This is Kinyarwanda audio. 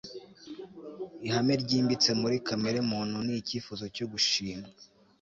ihame ryimbitse muri kamere muntu ni icyifuzo cyo gushimwa